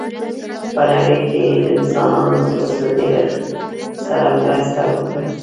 په نړۍ کې یې د انسانانو نفوس له ډېرښت سره مرسته وکړه.